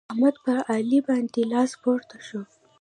د احمد پر علي باندې لاس پورته شو.